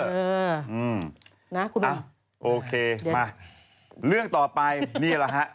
อืมนะคุณมีนอ้าวโอเคมาเรื่องต่อไปนี่แหละฮะ